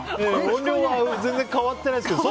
音量は変わってないですけど